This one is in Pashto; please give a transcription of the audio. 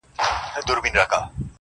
o خر په سبا څه خبر.